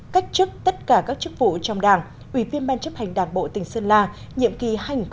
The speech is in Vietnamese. cách chức tất cả các chức vụ trong đảng ủy viên ban chấp hành đảng bộ tỉnh sơn la nhiệm kỳ hai nghìn một mươi năm hai nghìn hai mươi